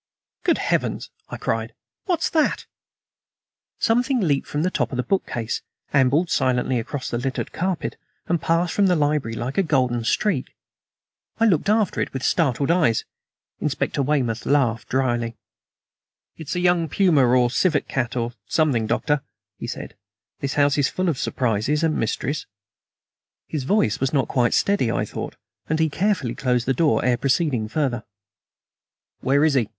"Good heavens!" I cried, "what's that?" Something leaped from the top of the bookcase, ambled silently across the littered carpet, and passed from the library like a golden streak. I stood looking after it with startled eyes. Inspector Weymouth laughed dryly. "It's a young puma, or a civet cat, or something, Doctor," he said. "This house is full of surprises and mysteries." His voice was not quite steady, I thought, and he carefully closed the door ere proceeding further. "Where is he?"